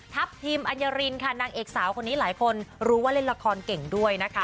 ทีมอัญญารินค่ะนางเอกสาวคนนี้หลายคนรู้ว่าเล่นละครเก่งด้วยนะคะ